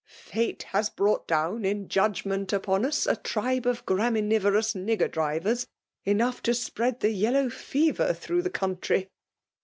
Eate has brought down in judgment upon us' a tribe of graminivorous nigger drivers, enough to spread the yellow fever through the country.